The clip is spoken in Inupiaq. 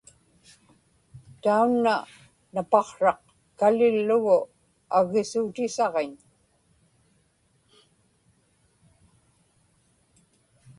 taunna napaqsraq kalillugu aggisuutisaġiñ